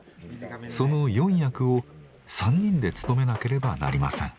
その４役を３人で務めなければなりません。